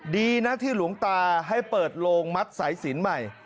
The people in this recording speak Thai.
ดีนะที่หลวงตาให้เปิดโลงมัดสายสินใหม่